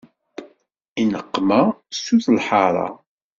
I neqma sut lḥara.